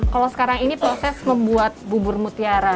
kalau sekarang ini proses membuat bubur mutiara